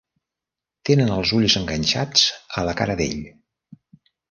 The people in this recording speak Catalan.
Tenen els ulls enganxats a la cara d'ell.